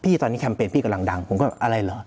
ตอนนี้แคมเปญพี่กำลังดังผมก็อะไรเหรอ